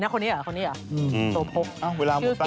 คนนี้หรอโทคพบแค่เก๋